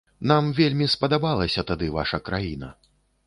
Нам вельмі спадабалася тады ваша краіна.